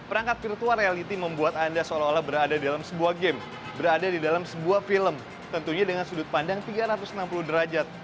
perangkat virtual reality membuat anda seolah olah berada dalam sebuah game berada di dalam sebuah film tentunya dengan sudut pandang tiga ratus enam puluh derajat